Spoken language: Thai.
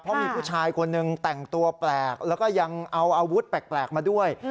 เพราะมีผู้ชายคนหนึ่งแต่งตัวแปลกแล้วก็ยังเอาอาวุธแปลกมาด้วย